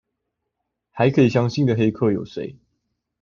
還可以相信的黑客有誰？